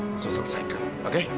langsung selesaikan oke